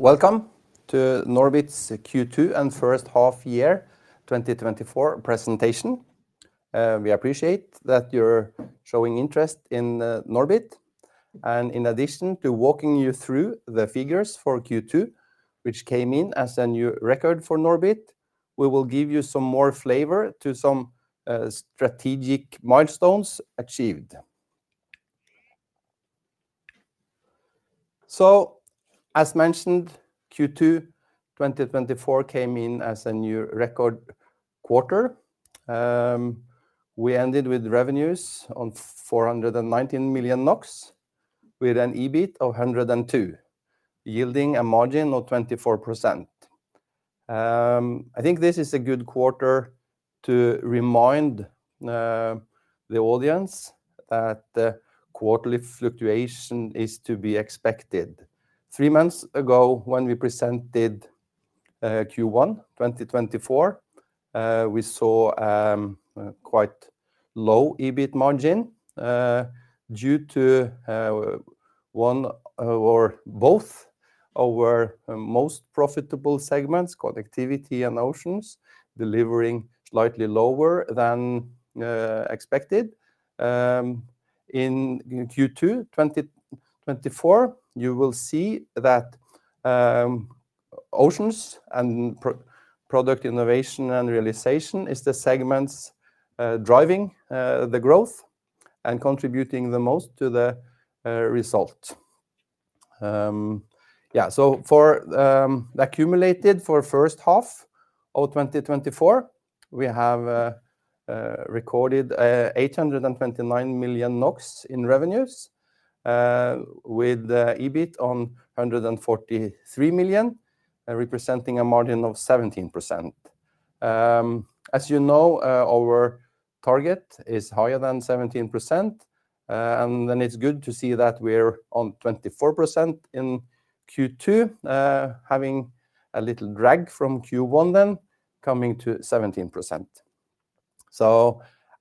Welcome to NORBIT's Q2 and first half year 2024 presentation. We appreciate that you're showing interest in NORBIT, and in addition to walking you through the figures for Q2, which came in as a new record for NORBIT, we will give you some more flavor to some strategic milestones achieved. So as mentioned, Q2 2024 came in as a new record quarter. We ended with revenues of 419 million NOK with an EBIT of 102, yielding a margin of 24%. I think this is a good quarter to remind the audience that the quarterly fluctuation is to be expected. Three months ago, when we presented Q1 2024, we saw quite low EBIT margin due to one or both our most profitable segments, Connectivity and Oceans, delivering slightly lower than expected. In Q2 2024, you will see that Oceans and Product Innovation and Realization is the segments driving the growth and contributing the most to the result. Yeah, so for the accumulated for first half of 2024, we have recorded 829 million NOK in revenues, with EBIT of 143 million, representing a margin of 17%. As you know, our target is higher than 17%, and then it's good to see that we're on 24% in Q2, having a little drag from Q1, then coming to 17%.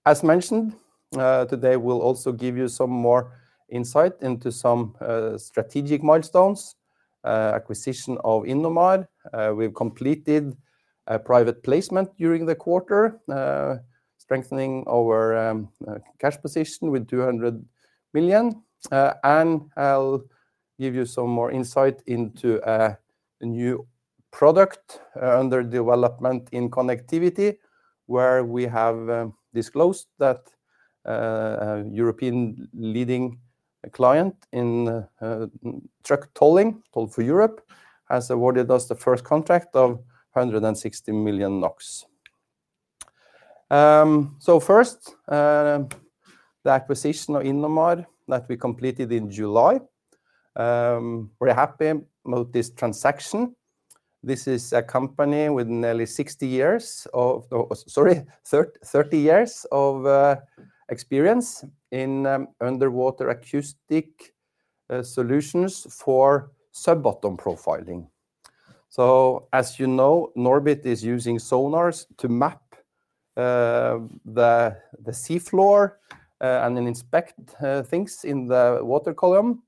As mentioned, today, we'll also give you some more insight into some strategic milestones, acquisition of Innomar. We've completed a private placement during the quarter, strengthening our cash position with 200 million. And I'll give you some more insight into a new product under development in Connectivity, where we have disclosed that European leading client in truck tolling, Toll4Europe, has awarded us the first contract of 160 million NOK. So first, the acquisition of Innomar that we completed in July. We're happy about this transaction. This is a company with nearly 60 years of. Sorry, 30 years of experience in underwater acoustic solutions for sub-bottom profiling. So as you know, NORBIT is using sonars to map the sea floor and then inspect things in the water column.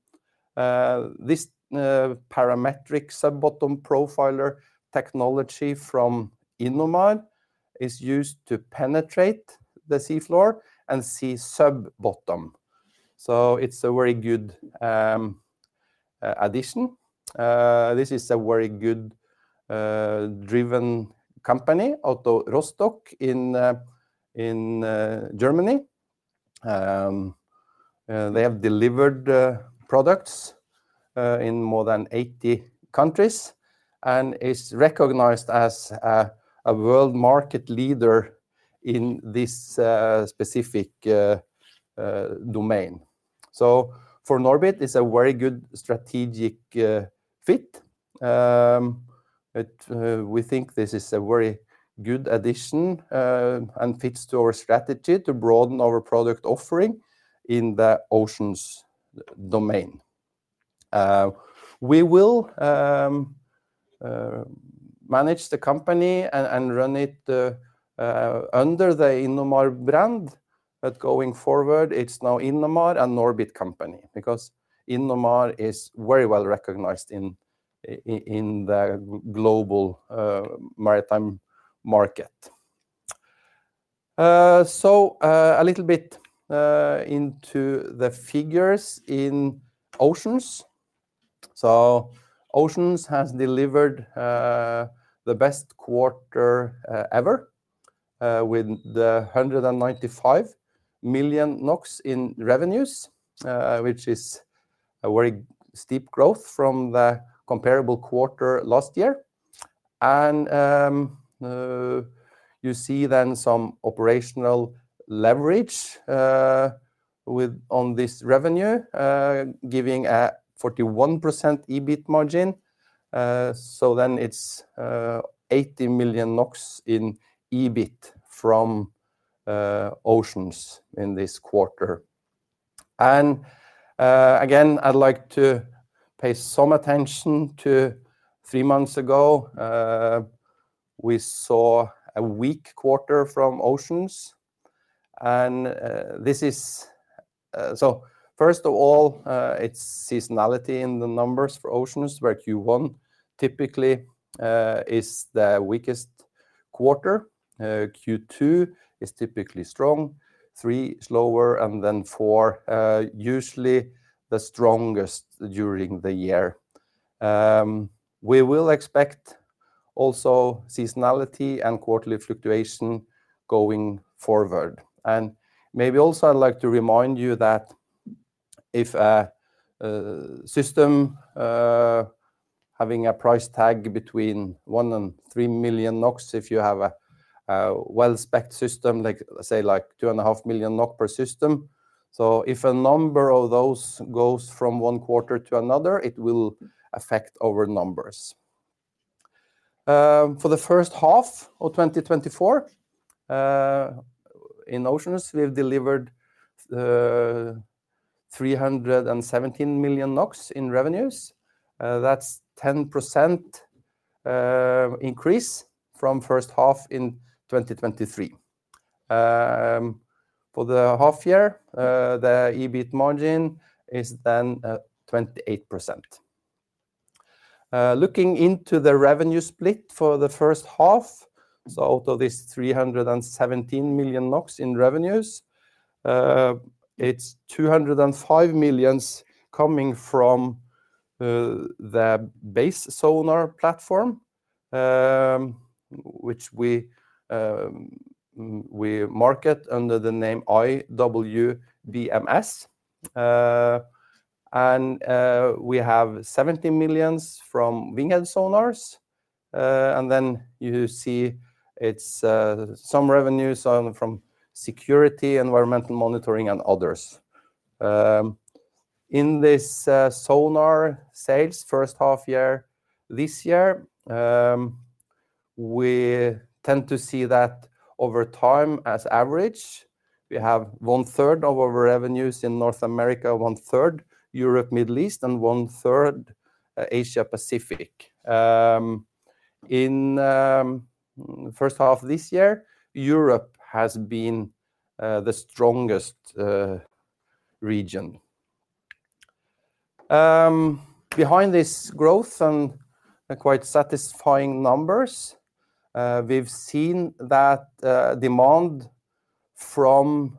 This parametric sub-bottom profiler technology from Innomar is used to penetrate the sea floor and see sub-bottom. So it's a very good addition. This is a very good driven company out of Rostock in Germany. They have delivered products in more than 80 countries and is recognized as a world market leader in this specific domain. So for NORBIT, it's a very good strategic fit. But we think this is a very good addition and fits to our strategy to broaden our product offering in the Oceans domain. We will manage the company and run it under the Innomar brand, but going forward, it's now Innomar, a NORBIT company, because Innomar is very well recognized in the global maritime market. So, a little bit into the figures in Oceans. Oceans has delivered the best quarter ever with 195 million NOK in revenues, which is a very steep growth from the comparable quarter last year. And you see then some operational leverage with on this revenue giving a 41% EBIT margin. So then it's 80 million NOK in EBIT from Oceans in this quarter. And again, I'd like to pay some attention to three months ago, we saw a weak quarter from Oceans. So first of all, it's seasonality in the numbers for Oceans, where Q1 typically is the weakest quarter. Q2 is typically strong, Q3 slower, and then Q4 usually the strongest during the year. We will expect also seasonality and quarterly fluctuation going forward. And maybe also, I'd like to remind you that if a system having a price tag between 1 million-3 million NOK, if you have a well-specced system, like say 2.5 million NOK per system, so if a number of those goes from one quarter to another, it will affect our numbers. For the first half of 2024, in Oceans, we've delivered 317 million NOK in revenues. That's 10% increase from first half in 2023. For the half year, the EBIT margin is then at 28%. Looking into the revenue split for the first half, so out of this 317 million NOK in revenues, it's 205 million coming from the base sonar platform, which we market under the name iWBMS. And we have 70 million from WINGHEAD sonars. And then you see it's some revenues from security, environmental monitoring, and others. In this sonar sales first half year, this year, we tend to see that over time, on average, we have one third of our revenues in North America, 1/3 Europe, Middle East, and 1/3 Asia Pacific. In first half of this year, Europe has been the strongest region. Behind this growth and quite satisfying numbers, we've seen that demand from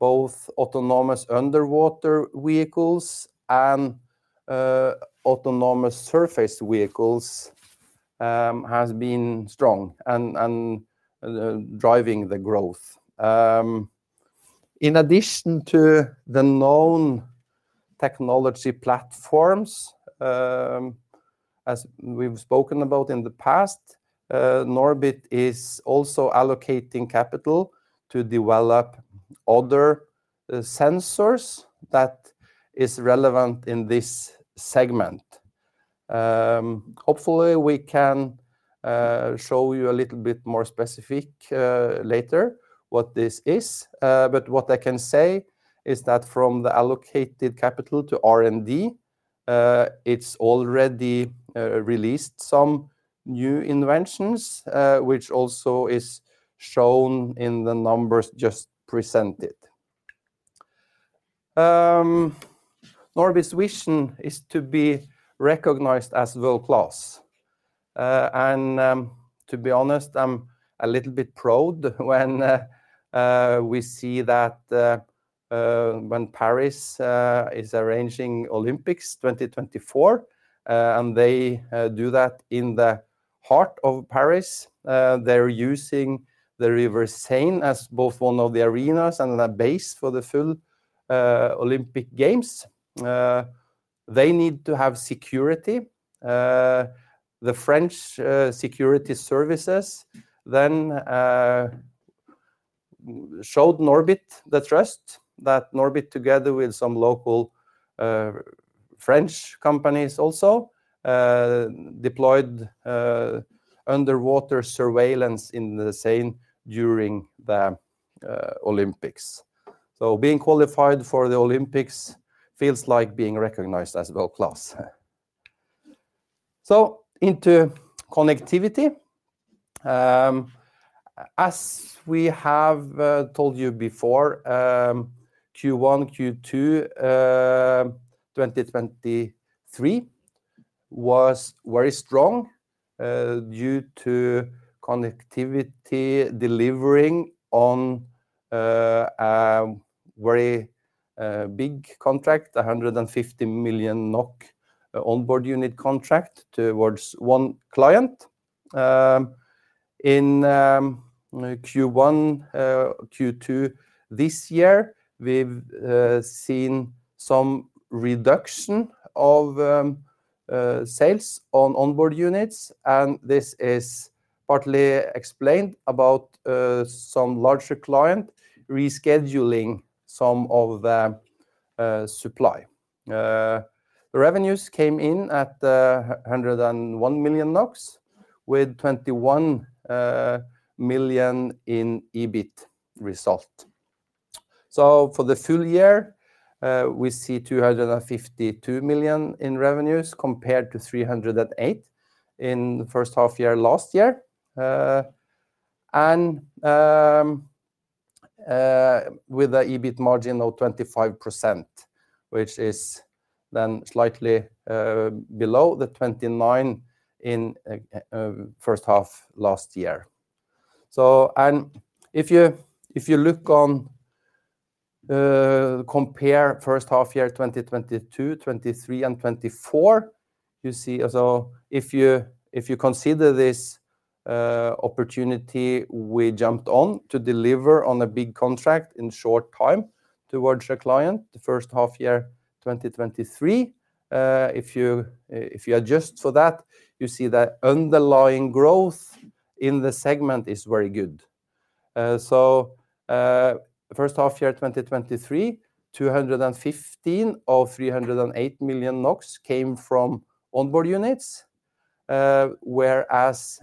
both autonomous underwater vehicles and autonomous surface vehicles has been strong and driving the growth. In addition to the known technology platforms, as we've spoken about in the past, NORBIT is also allocating capital to develop other sensors that is relevant in this segment. Hopefully, we can show you a little bit more specific later what this is. But what I can say is that from the allocated capital to R&D, it's already released some new inventions, which also is shown in the numbers just presented. NORBIT's vision is to be recognized as world-class. To be honest, I'm a little bit proud when we see that when Paris is arranging Olympics 2024 and they do that in the heart of Paris. They're using the River Seine as both one of the arenas and the base for the full Olympic Games. They need to have security. The French security services then showed NORBIT the trust that NORBIT, together with some local French companies also, deployed underwater surveillance in the Seine during the Olympics. So being qualified for the Olympics feels like being recognized as world-class. So into connectivity. As we have told you before, Q1, Q2 2023 was very strong, due to connectivity delivering on a very big contract, a 150 million NOK onboard unit contract towards one client. In Q1, Q2 this year, we've seen some reduction of sales on onboard units, and this is partly explained about some larger client rescheduling some of the supply. The revenues came in at 101 million NOK with 21 million in EBIT result. So for the full year, we see 252 million in revenues compared to 308 million in the first half year last year. And with the EBIT margin of 25%, which is then slightly below the 29% in first half last year. If you look on, compare first half year 2022, 2023, and 2024, you see as though if you consider this opportunity, we jumped on to deliver on a big contract in short time towards a client, the first half year 2023. If you adjust for that, you see that underlying growth in the segment is very good. So, first half year 2023, 215 million or 308 million NOK came from onboard units, whereas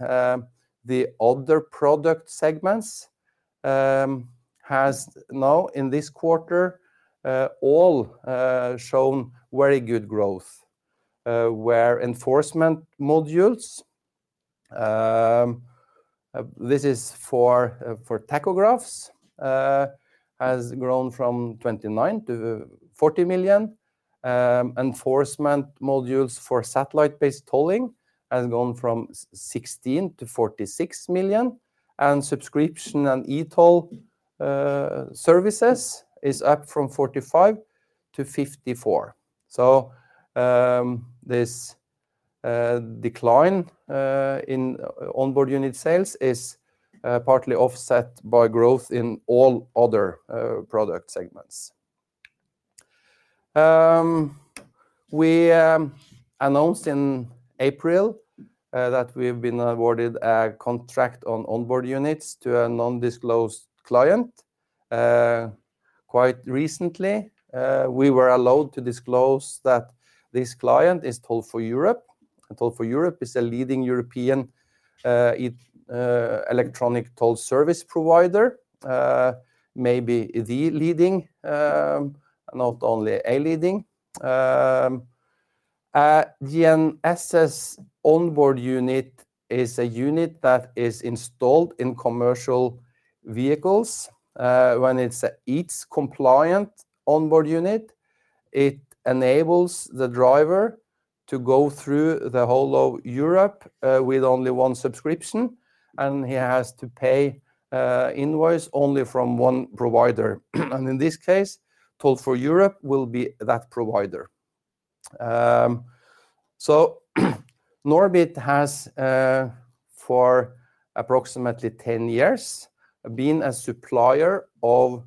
the other product segments has now in this quarter all shown very good growth. Where enforcement modules, this is for for tachographs, has grown from 29 million-40 million. Enforcement modules for satellite-based tolling has gone from 16 million-46 million, and subscription and e-toll services is up from 45-54. So, this decline in onboard unit sales is partly offset by growth in all other product segments. We announced in April that we've been awarded a contract on onboard units to a non-disclosed client. Quite recently, we were allowed to disclose that this client is Toll4Europe, and Toll4Europe is a leading European Electronic Toll Service provider, maybe the leading, not only a leading. GNSS onboard unit is a unit that is installed in commercial vehicles. When it's a EETS compliant onboard unit, it enables the driver to go through the whole of Europe, with only one subscription, and he has to pay invoice only from one provider. In this case, Toll4Europe will be that provider. NORBIT has, for approximately 10 years, been a supplier of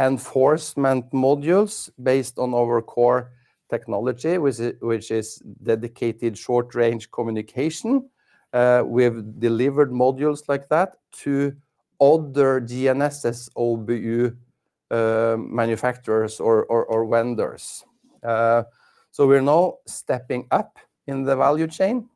enforcement modules based on our core technology, which is dedicated short-range communication. We have delivered modules like that to other GNSS OBU manufacturers or vendors. We're now stepping up in the value chain.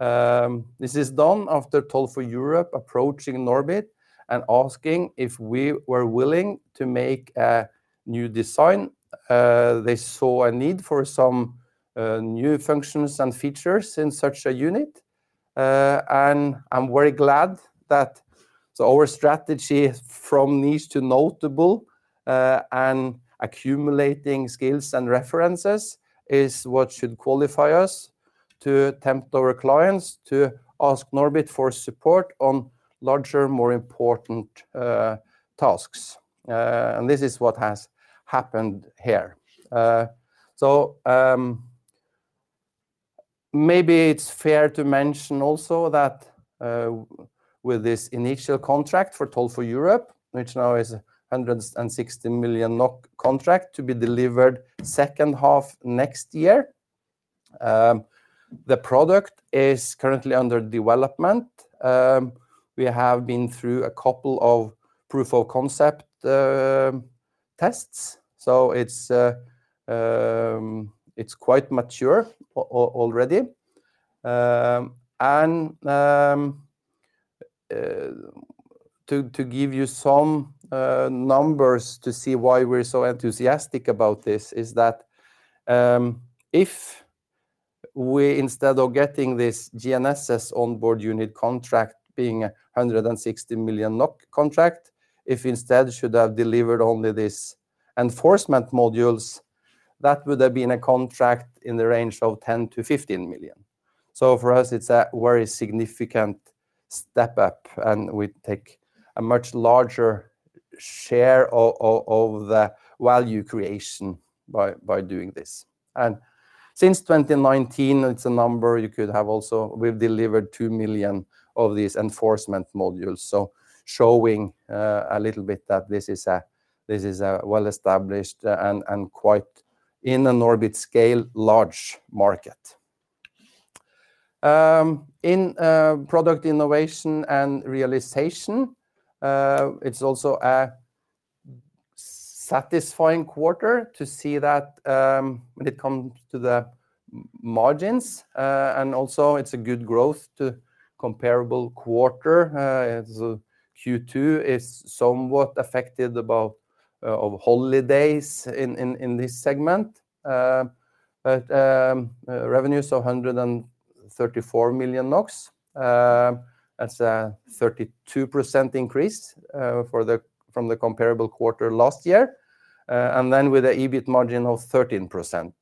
This is done after Toll4Europe approaching NORBIT and asking if we were willing to make a new design. They saw a need for some new functions and features in such a unit. And I'm very glad that our strategy from niche to notable, and accumulating skills and references is what should qualify us to tempt our clients to ask NORBIT for support on larger, more important, tasks. And this is what has happened here. Maybe it's fair to mention also that, with this initial contract for Toll4Europe, which now is a 160 million NOK contract to be delivered second half next year, the product is currently under development. We have been through a couple of proof-of-concept tests, so it's quite mature already. And, to give you some numbers to see why we're so enthusiastic about this is that, if we instead of getting this GNSS onboard unit contract being a 160 million NOK contract, if instead, should have delivered only this enforcement modules, that would have been a contract in the range of 10 million-15 million. So for us, it's a very significant step up, and we take a much larger share of the value creation by doing this. And since 2019, it's a number you could have also. We've delivered 2 million of these enforcement modules, so showing a little bit that this is a, this is a well-established and quite NORBIT scale, large market. In Product Innovation and Realization, it's also a satisfying quarter to see that, when it comes to the margins, and also it's a good growth to comparable quarter. As Q2 is somewhat affected about of holidays in this segment. But revenues are NOK 134 million. That's a 32% increase from the comparable quarter last year. And then with the EBIT margin of 13%,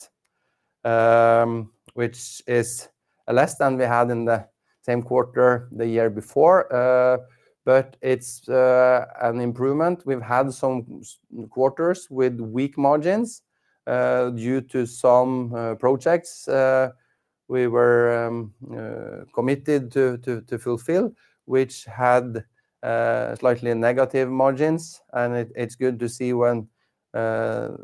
which is less than we had in the same quarter the year before. But it's an improvement. We've had some quarters with weak margins due to some projects we were committed to fulfill, which had slightly negative margins. It's good to see when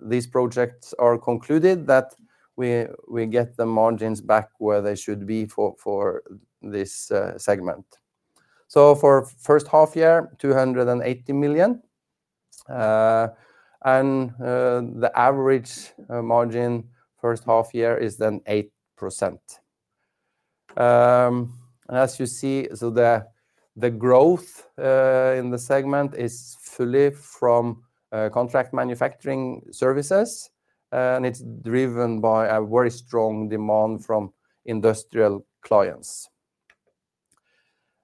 these projects are concluded that we get the margins back where they should be for this segment. For first half year, 280 million. And the average margin first half year is then 8%. As you see, so the growth in the segment is fully from contract manufacturing services, and it's driven by a very strong demand from industrial clients.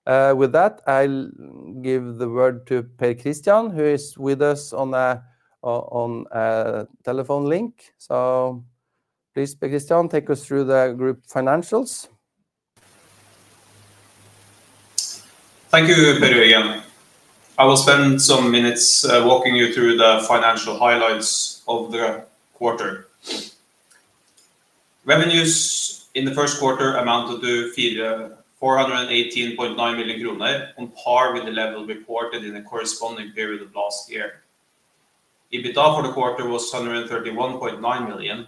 With that, I'll give the word to Per Kristian, who is with us on a telephone link. Please, Per Kristian, take us through the group financials. Thank you, Per [Jørgen]. I will spend some minutes walking you through the financial highlights of the quarter. Revenues in the first quarter amounted to 418.9 million kroner, on par with the level reported in the corresponding period of last year. EBITDA for the quarter was 131.9 million,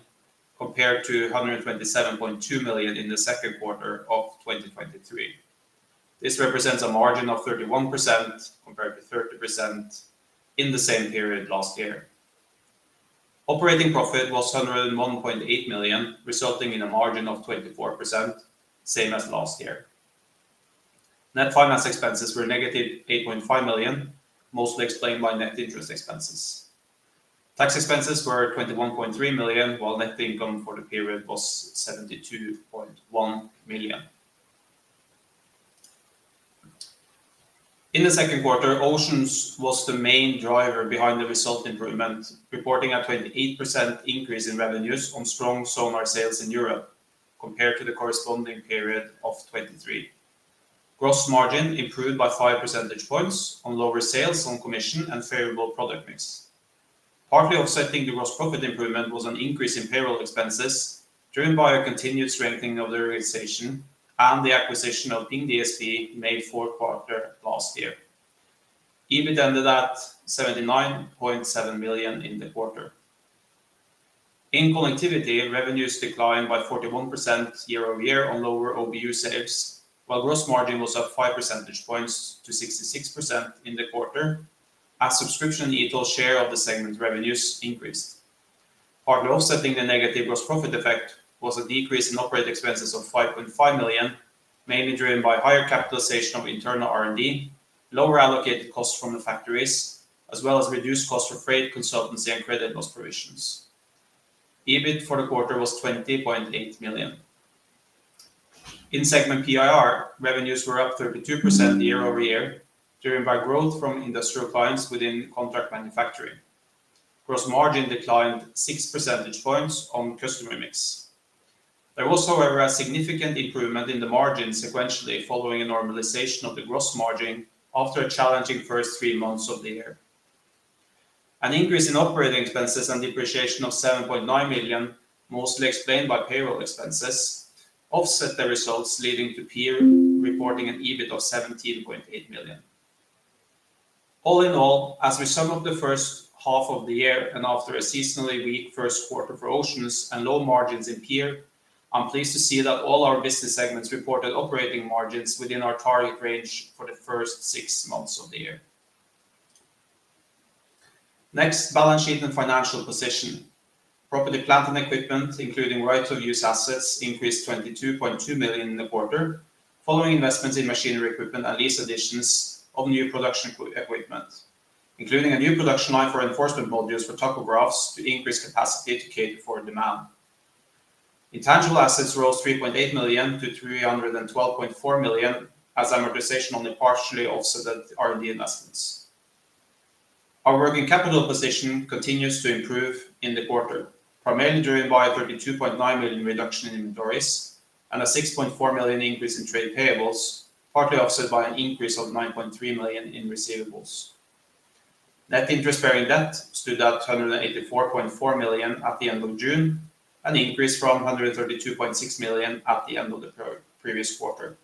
compared to 127.2 million in the second quarter of 2023. This represents a margin of 31%, compared to 30% in the same period last year. Operating profit was 101.8 million, resulting in a margin of 24%, same as last year. Net finance expenses were negative 8.5 million, mostly explained by net interest expenses. Tax expenses were 21.3 million, while net income for the period was 72.1 million. In the second quarter, Oceans was the main driver behind the result improvement, reporting a 28% increase in revenues on strong sonar sales in Europe compared to the corresponding period of 2023. Gross margin improved by five percentage points on lower sales on commission and favorable product mix. Partly offsetting the gross profit improvement was an increase in payroll expenses, driven by a continued strengthening of the organization and the acquisition of Ping DSP made fourth quarter last year. EBIT ended at 79.7 million in the quarter. In Connectivity, revenues declined by 41% year-over-year on lower OBU sales, while gross margin was up five percentage points to 66% in the quarter, as subscription e-toll share of the segment's revenues increased. Partly offsetting the negative gross profit effect was a decrease in operating expenses of 5.5 million, mainly driven by higher capitalization of internal R&D, lower allocated costs from the factories, as well as reduced cost for freight, consultancy, and credit loss provisions. EBIT for the quarter was 20.8 million. In segment PIR, revenues were up 32% year-over-year, driven by growth from industrial clients within contract manufacturing. Gross margin declined 6 percentage points on customer mix. There was, however, a significant improvement in the margin sequentially, following a normalization of the gross margin after a challenging first three months of the year. An increase in operating expenses and depreciation of 7.9 million, mostly explained by payroll expenses, offset the results leading to PIR reporting an EBIT of 17.8 million. All in all, as we sum up the first half of the year and after a seasonally weak first quarter for Oceans and low margins in PIR, I'm pleased to see that all our business segments reported operating margins within our target range for the first six months of the year. Next, balance sheet and financial position. Property, plant, and equipment, including right of use assets, increased 22.2 million in the quarter, following investments in machinery, equipment, and lease additions of new production equipment, including a new production line for enforcement modules for tachographs to increase capacity to cater for demand. Intangible assets rose 3.8 million-312.4 million, as amortization only partially offset the R&D investments. Our working capital position continues to improve in the quarter, primarily driven by a 32.9 million reduction in inventories and a 6.4 million increase in trade payables, partly offset by an increase of 9.3 million in receivables. Net interest-bearing debt stood at 184.4 million at the end of June, an increase from 132.6 million at the end of the pre-previous quarter.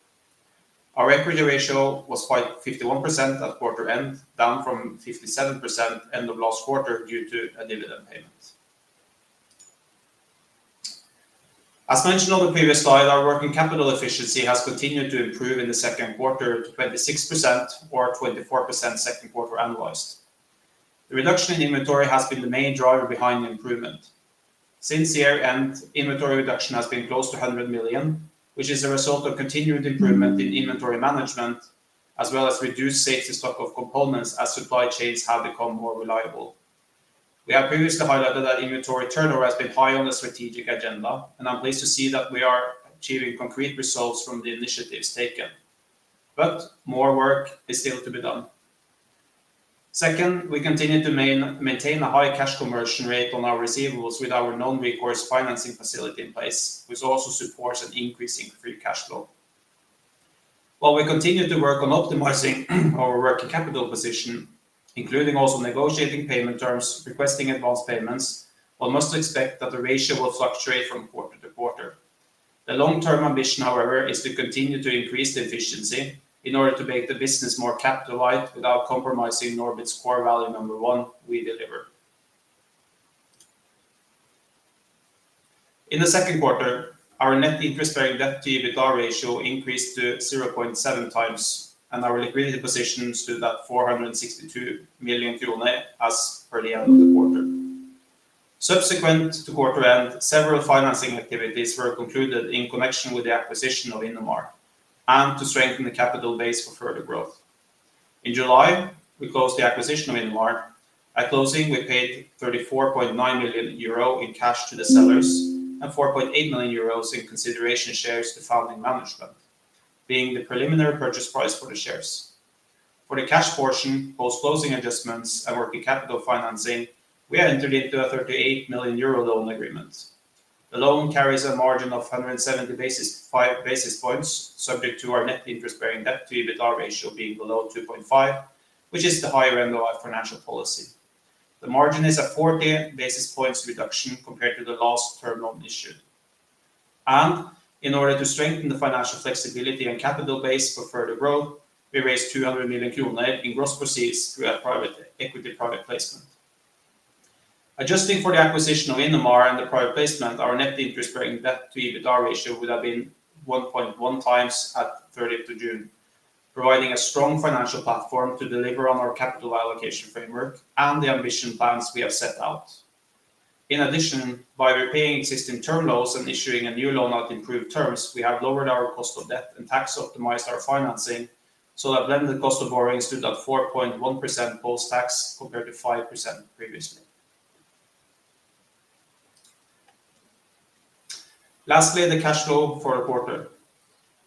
Our equity ratio was 51% at quarter end, down from 57% end of last quarter due to a dividend payment. As mentioned on the previous slide, our working capital efficiency has continued to improve in the second quarter to 26% or 24% second quarter annualized. The reduction in inventory has been the main driver behind the improvement. Since the year-end, inventory reduction has been close to 100 million, which is a result of continued improvement in inventory management, as well as reduced safety stock of components as supply chains have become more reliable. We have previously highlighted that inventory turnover has been high on the strategic agenda, and I'm pleased to see that we are achieving concrete results from the initiatives taken, but more work is still to be done. Second, we continue to maintain a high cash conversion rate on our receivables with our non-recourse financing facility in place, which also supports an increase in free cash flow. While we continue to work on optimizing our working capital position, including also negotiating payment terms, requesting advanced payments, one must expect that the ratio will fluctuate from quarte- to -quarter. The long-term ambition, however, is to continue to increase the efficiency in order to make the business more capital light without compromising NORBIT's core value number one, we deliver. In the second quarter, our net interest-bearing debt to EBITDA ratio increased to 0.7x, and our liquidity positions stood at 462 million krone as per the end of the quarter. Subsequent to quarter end, several financing activities were concluded in connection with the acquisition of Innomar and to strengthen the capital base for further growth. In July, we closed the acquisition of Innomar. At closing, we paid 34.9 million euro in cash to the sellers and 4.8 million euros in consideration shares to founding management, being the preliminary purchase price for the shares. For the cash portion, post-closing adjustments and working capital financing, we entered into a 38 million euro loan agreement. The loan carries a margin of 170 basis points, subject to our net interest-bearing debt to EBITDA ratio being below 2.5, which is the higher end of our financial policy. The margin is a 40 basis points reduction compared to the last term loan issued. In order to strengthen the financial flexibility and capital base for further growth, we raised 200 million kroner in gross proceeds through our private placement. Adjusting for the acquisition of Innomar and the private placement, our net interest-bearing debt to EBITDA ratio would have been 1.1x at June 30, providing a strong financial platform to deliver on our capital allocation framework and the ambition plans we have set out. In addition, by repaying existing term loans and issuing a new loan at improved terms, we have lowered our cost of debt and tax optimized our financing, so that blended cost of borrowing stood at 4.1% post-tax, compared to 5% previously. Lastly, the cash flow for the quarter.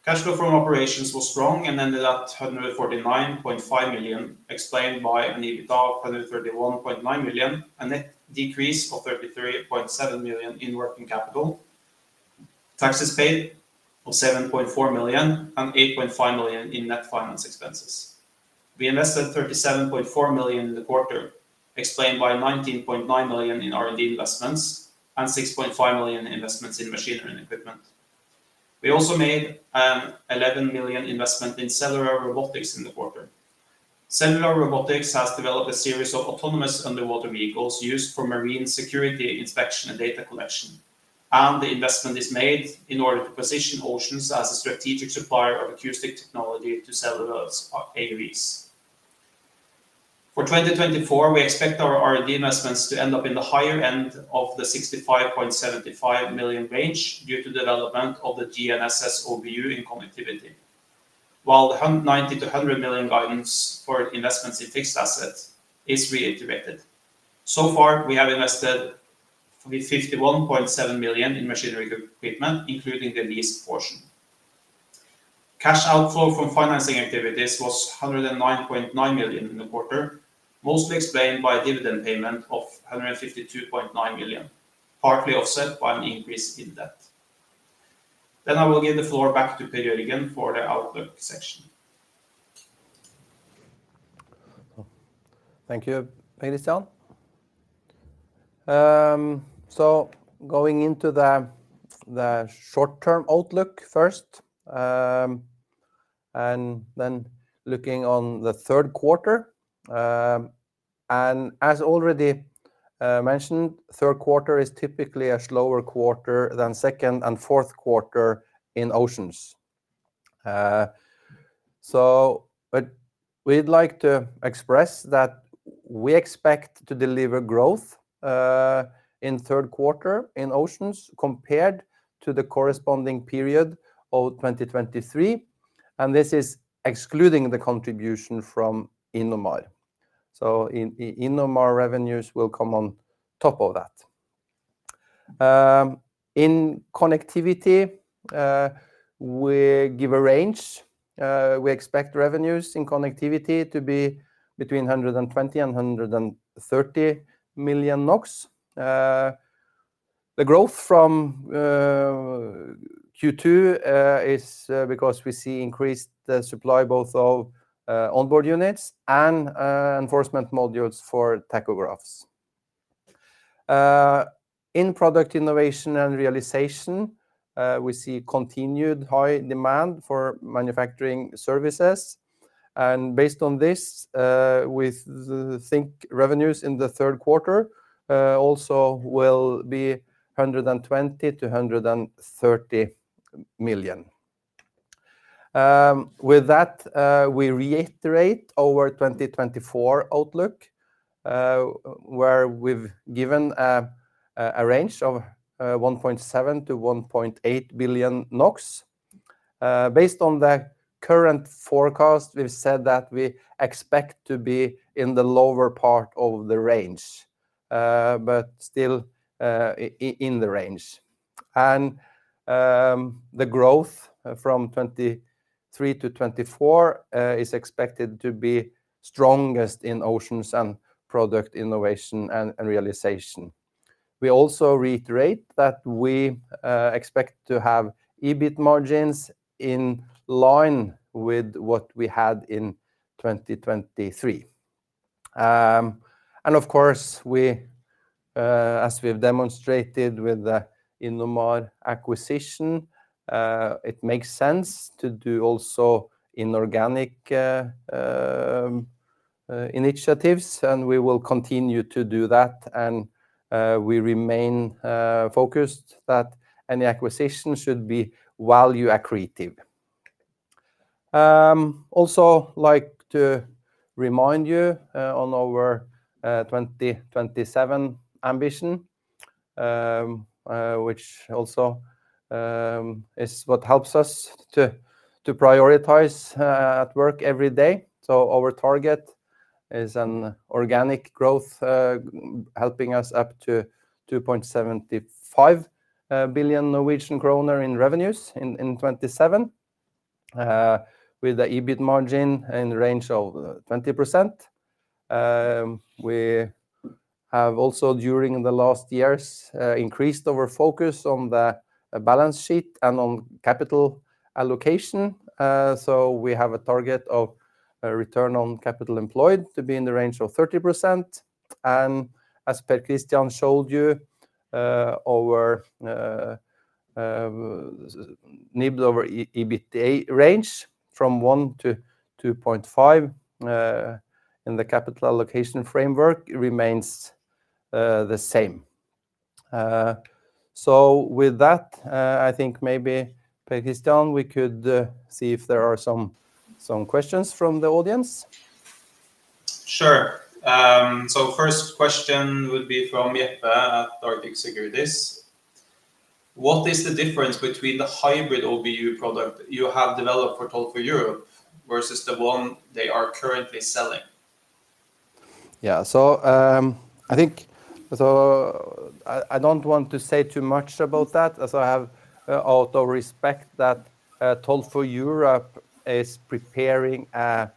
Cash flow from operations was strong and ended at 149.5 million, explained by an EBITDA of 131.9 million, a net decrease of 33.7 million in working capital, taxes paid of 7.4 million, and 8.5 million in net finance expenses. We invested 37.4 million in the quarter, explained by 19.9 million in R&D investments and 6.5 million investments in machinery and equipment. We also made an 11 million investment in Cellula Robotics in the quarter. Cellula Robotics has developed a series of autonomous underwater vehicles used for marine security, inspection, and data collection, and the investment is made in order to position Oceans as a strategic supplier of acoustic technology to sell the AUVs. For 2024, we expect our R&D investments to end up in the higher end of the 65 million-75 million range due to development of the GNSS OBU in Connectivity, while the 90-100 million guidance for investments in fixed assets is reiterated. So far, we have invested 51.7 million in machinery equipment, including the leased portion. Cash outflow from financing activities was 109.9 million in the quarter, mostly explained by a dividend payment of 152.9 million, partly offset by an increase in debt. Then I will give the floor back to Per Jørgen for the outlook section. Thank you, Per Kristian. So going into the short-term outlook first, and then looking on the third quarter. And as already mentioned, third quarter is typically a slower quarter than second and fourth quarter in Oceans. So but we'd like to express that we expect to deliver growth in third quarter in Oceans compared to the corresponding period of 2023, and this is excluding the contribution from Innomar. So Innomar revenues will come on top of that. In Connectivity, we give a range. We expect revenues in Connectivity to be between 120 million NOK and 130 million NOK. The growth from Q2 is because we see increased supply, both of onboard units and enforcement modules for tachographs. In Product Innovation and Realization, we see continued high demand for manufacturing services, and based on this, we think revenues in the third quarter also will be 120 million-130 million. With that, we reiterate our 2024 outlook, where we've given a range of 1.7 billion-1.8 billion NOK. Based on the current forecast, we've said that we expect to be in the lower part of the range, but still in the range. The growth from 2023 to 2024 is expected to be strongest in Oceans and Product Innovation and Realization. We also reiterate that we expect to have EBIT margins in line with what we had in 2023. And of course, we, as we've demonstrated with the Innomar acquisition, it makes sense to do also inorganic initiatives, and we will continue to do that. We remain focused that any acquisition should be value accretive. Also like to remind you on our 2027 ambition, which also is what helps us to prioritize at work every day. So our target is an organic growth helping us up to 2.75 billion Norwegian kroner in revenues in 2027 with the EBIT margin in the range of 20%. We have also, during the last years, increased our focus on the balance sheet and on capital allocation. So we have a target of a return on capital employed to be in the range of 30%. As Per Kristian showed you, our NIBD over EBITDA range from 1 to 2.5 in the capital allocation framework remains the same. So with that, I think maybe, Per-Kristian, we could see if there are some questions from the audience. Sure. So first question would be from Jeppe at Arctic Securities: "What is the difference between the hybrid OBU product you have developed for Toll4Europe versus the one they are currently selling? Yeah. So, I think, so I don't want to say too much about that, as I have out of respect that Toll4Europe is preparing a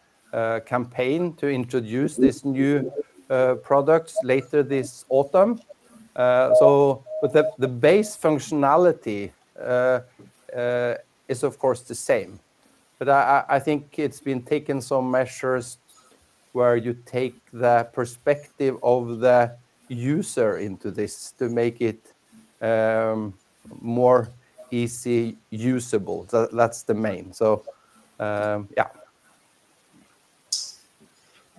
campaign to introduce this new products later this autumn. So but the base functionality is of course the same. But I think it's been taking some measures where you take the perspective of the user into this to make it more easy usable. So that's the main, yeah.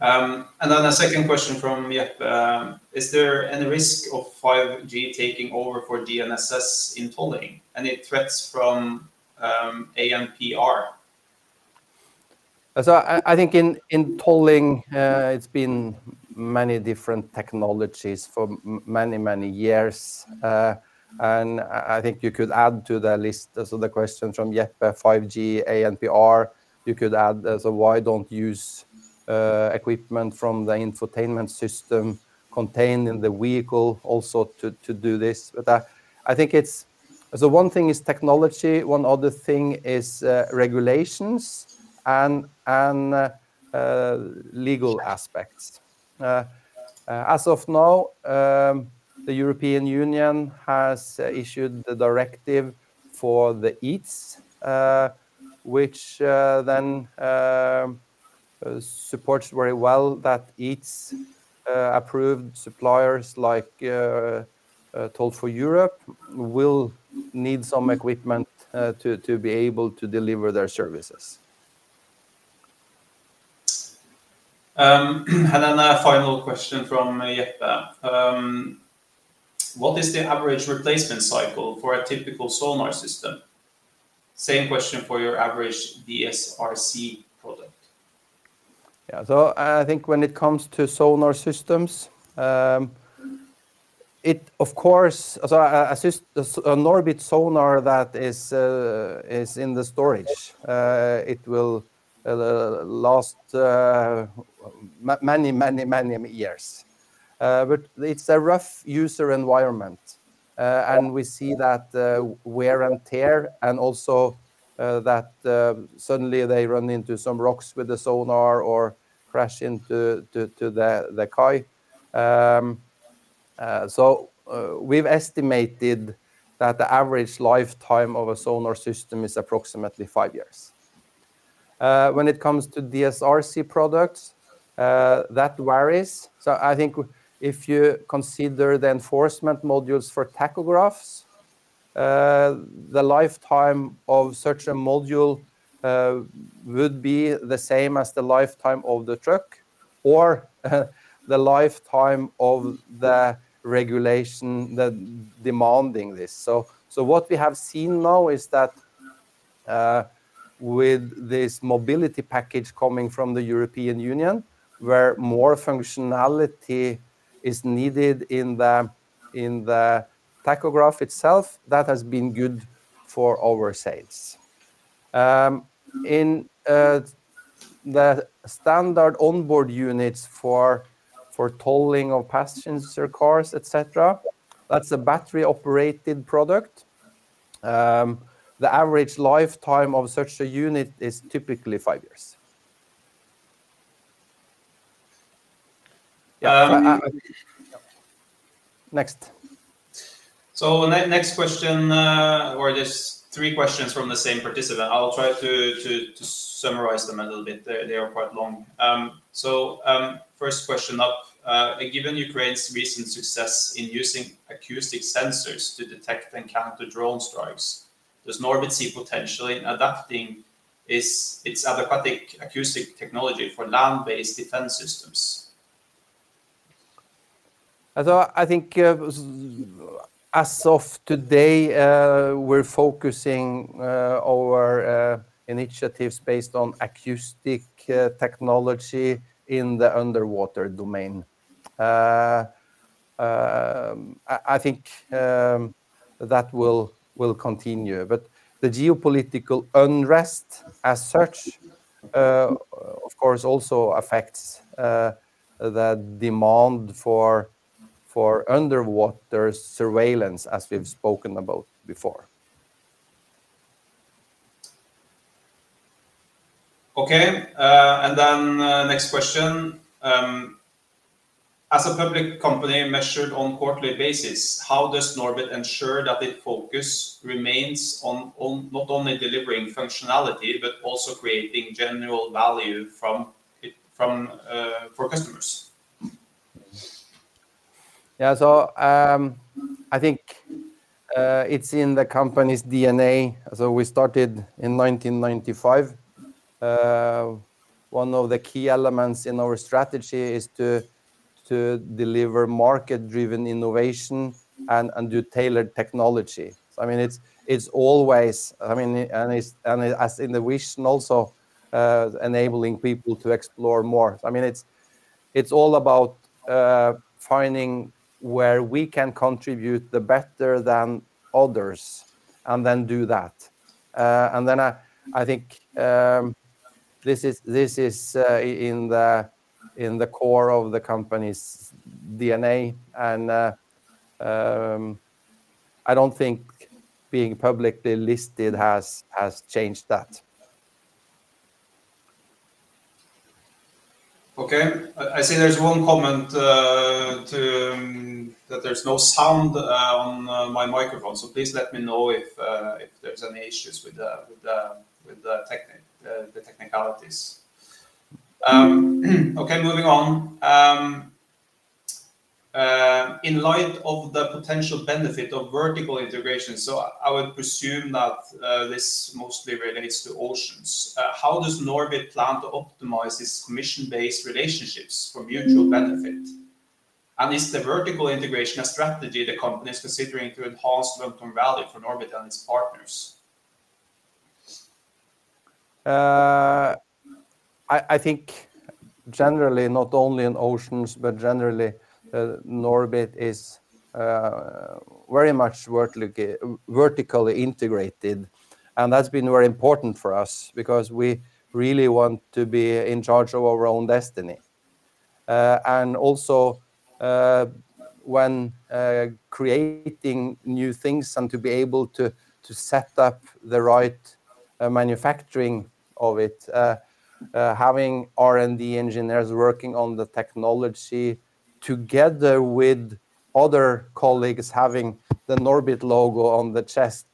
And then a second question from Jeppe: "Is there any risk of 5G taking over for DSRCs in tolling? Any threats from ANPR? So I think in tolling, it's been many different technologies for many, many years. And I think you could add to the list. So the question from Jeppe, 5G, ANPR, you could add as a why don't use equipment from the infotainment system contained in the vehicle also to do this. But I think it's so one thing is technology, one other thing is regulations and legal aspects. As of now, the European Union has issued the directive for the EETS, which then supports very well that EETS approved suppliers like Toll4Europe will need some equipment to be able to deliver their services. And then a final question from Jeppe. "What is the average replacement cycle for a typical sonar system? Same question for your average DSRC product. Yeah, so I think when it comes to sonar systems, it, of course, so a NORBIT sonar that is in the storage, it will last many, many, many years. But it's a rough user environment, and we see that wear and tear and also that suddenly they run into some rocks with the sonar or crash into the quay. So, we've estimated that the average lifetime of a sonar system is approximately five years. When it comes to DSRC products, that varies. So I think if you consider the enforcement modules for tachographs, the lifetime of such a module would be the same as the lifetime of the truck or, the lifetime of the regulation that demanding this. So, what we have seen now is that, with this mobility package coming from the European Union, where more functionality is needed in the tachograph itself, that has been good for our sales. In the standard onboard units for tolling of passenger cars, et cetera, that's a battery-operated product. The average lifetime of such a unit is typically five years. Yeah. Next. So, next question, or there's three questions from the same participant. I'll try to summarize them a little bit. First question up, given Ukraine's recent success in using acoustic sensors to detect and counter drone strikes, does NORBIT see potential in adapting its aquatic acoustic technology for land-based defense systems? I thought, I think, as of today, we're focusing our initiatives based on acoustic technology in the underwater domain. I think that will continue. But the geopolitical unrest as such, of course, also affects the demand for underwater surveillance, as we've spoken about before. Okay. And then, next question. As a public company measured on quarterly basis, how does NORBIT ensure that it focus remains on not only delivering functionality, but also creating general value from it, for customers? Yeah. So, I think it's in the company's D&A. So we started in 1995. One of the key elements in our strategy is to deliver market-driven innovation and do tailored technology. I mean, it's always. I mean, and it's, as in the vision also, enabling people to explore more. I mean, it's all about finding where we can contribute the better than others and then do that. And then I think this is in the core of the company's D&A, and I don't think being publicly listed has changed that. Okay. I see there's one comment that there's no sound on my microphone. So please let me know if there's any issues with the technicalities. Okay, moving on. In light of the potential benefit of vertical integration, so I would presume that this mostly relates to Oceans. How does NORBIT plan to optimize its commission-based relationships for mutual benefit? And is the vertical integration a strategy the company is considering to enhance long-term value for NORBIT and its partners? I think generally, not only in Oceans, but generally, NORBIT is very much vertically integrated, and that's been very important for us because we really want to be in charge of our own destiny. And also, when creating new things and to be able to set up the right manufacturing of it, having R&D engineers working on the technology together with other colleagues, having the NORBIT logo on the chest,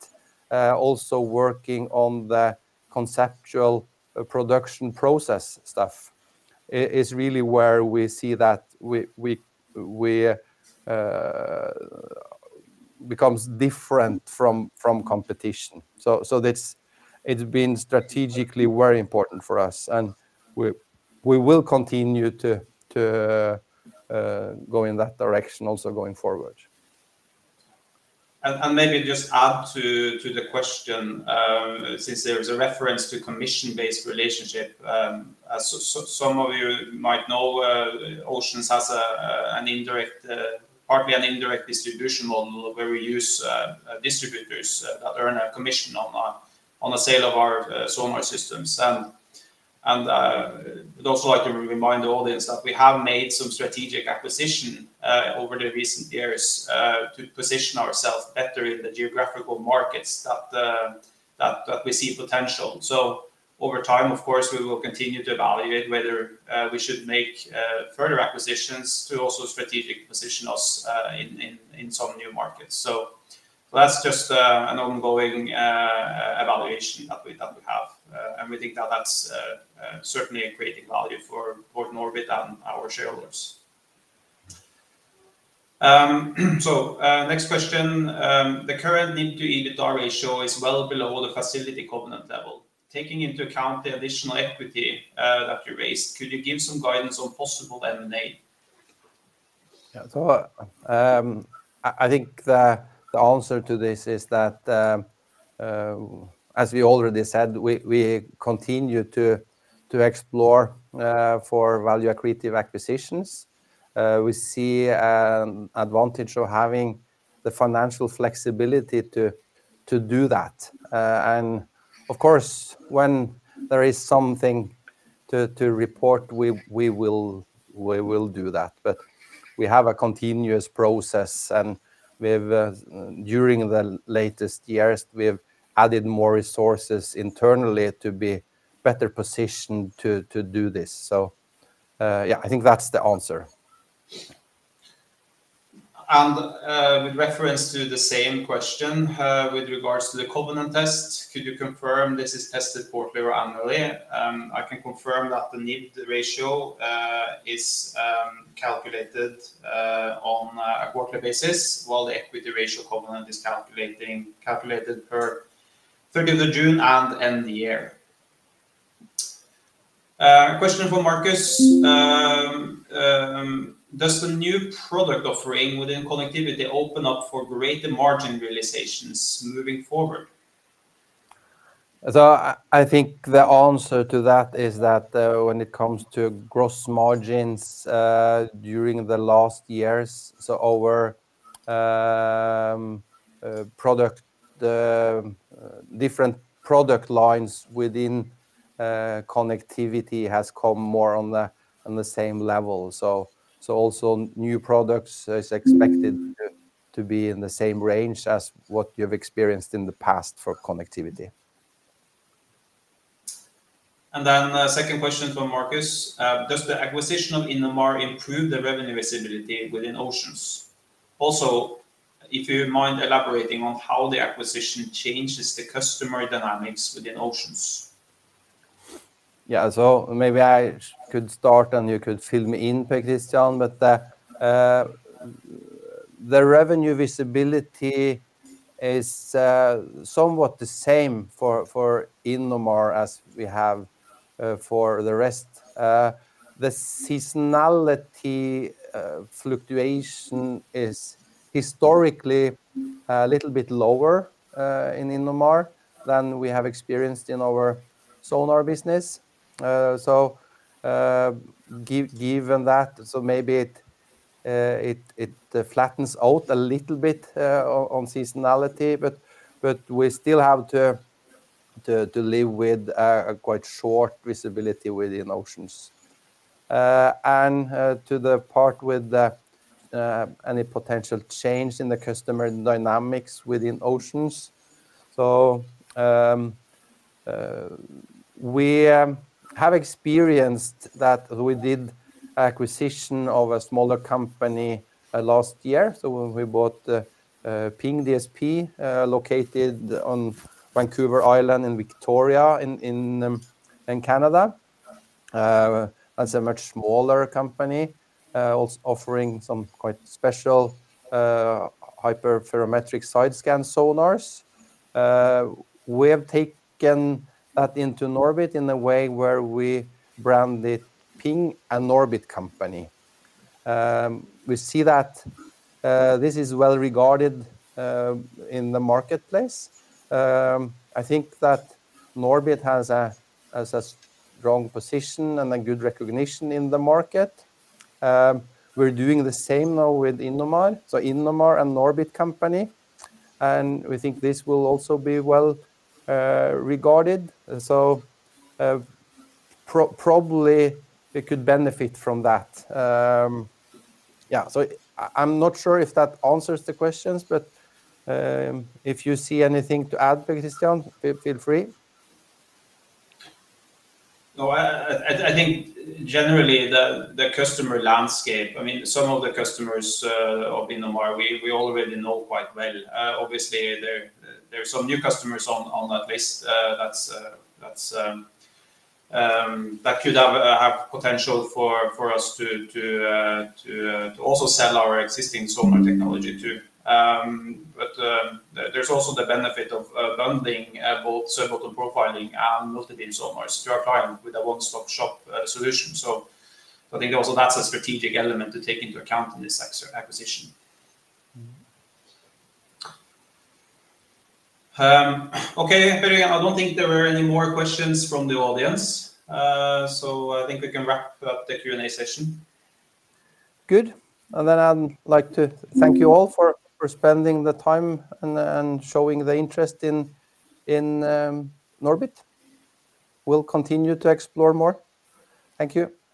also working on the conceptual production process stuff, is really where we see that we becomes different from competition. So that's, it's been strategically very important for us, and we will continue to go in that direction, also going forward. And maybe just add to the question, since there is a reference to commission-based relationship, as some of you might know, Oceans has a partly indirect distribution model where we use distributors that earn a commission on a sale of our sonar systems. And I'd also like to remind the audience that we have made some strategic acquisition over the recent years to position ourselves better in the geographical markets that we see potential. So over time, of course, we will continue to evaluate whether we should make further acquisitions to also strategic position us in some new markets. So that's just an ongoing evaluation that we have, and we think that that's certainly a creating value for NORBIT and our shareholders. So, next question. The current NIB to EBITDA ratio is well below the facility covenant level. Taking into account the additional equity that you raised, could you give some guidance on possible M&A? Yeah. So, I think the answer to this is that, as we already said, we continue to explore for value accretive acquisitions. We see advantage of having the financial flexibility to do that. And of course, when there is something to report, we will do that. But we have a continuous process, and during the latest years, we have added more resources internally to be better positioned to do this. So, yeah, I think that's the answer. With reference to the same question, with regards to the covenant test, could you confirm this is tested quarterly or annually? I can confirm that the NIB ratio is calculated on a quarterly basis, while the equity ratio covenant is calculated per 30 of June and end of year. Question for Marcus. Does the new product offering within Connectivity open up for greater margin realizations moving forward? I, I think the answer to that is that when it comes to gross margins, during the last years, so our product, the different product lines within Connectivity has come more on the same level. So also new products is expected to be in the same range as what you've experienced in the past for Connectivity. The second question for Marcus: Does the acquisition of Innomar improve the revenue visibility within Oceans? Also, if you mind elaborating on how the acquisition changes the customer dynamics within Oceans? Yeah. So maybe I could start, and you could fill me in, Per Kristian. But the revenue visibility is somewhat the same for Innomar as we have for the rest. The seasonality fluctuation is historically a little bit lower in Innomar than we have experienced in our sonar business. So given that, maybe it flattens out a little bit on seasonality, but we still have to live with a quite short visibility within Oceans. And to the part with any potential change in the customer dynamics within Oceans. So we have experienced that we did acquisition of a smaller company last year. So when we bought Ping DSP, located on Vancouver Island in Victoria, in Canada, that's a much smaller company, also offering some quite special hyperthermetric side scan sonars. We have taken that into NORBIT in a way where we brand it Ping, a NORBIT company. We see that this is well regarded in the marketplace. I think that NORBIT has a strong position and a good recognition in the market. We're doing the same now with Innomar, so Innomar, a NORBIT company, and we think this will also be well regarded. So probably it could benefit from that. Yeah, so I'm not sure if that answers the questions, but if you see anything to add, Per Kristian, feel free. No, I think generally the customer landscape, I mean, some of the customers of Innomar, we already know quite well. Obviously, there are some new customers on that list that could have potential for us to also sell our existing sonar technology too. But there's also the benefit of bundling both sub-bottom profiling and multibeam sonars to our client with a one-stop shop solution. So I think also that's a strategic element to take into account in this acquisition. Okay, Per, I don't think there were any more questions from the audience, so I think we can wrap up the Q&A session. Good. And then I'd like to thank you all for spending the time and showing the interest in NORBIT. We'll continue to explore more. Thank you.